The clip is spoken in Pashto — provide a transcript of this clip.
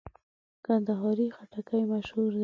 کندهاري خټکی مشهور دی.